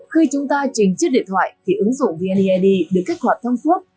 khi chúng ta chỉnh chiếc điện thoại thì ứng dụng vned được kết quả thông suốt